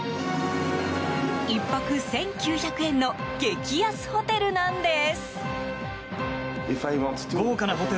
１泊１９００円の激安ホテルなんです。